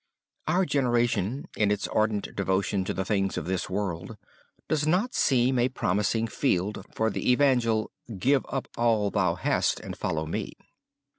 Our generation in its ardent devotion to the things of this world does not seem a promising field for the evangel, "Give up all thou hast and follow me."